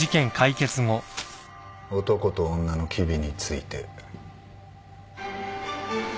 男と女の機微について。